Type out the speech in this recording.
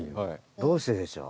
どうしてでしょう？